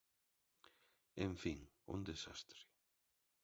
En fin, un desastre.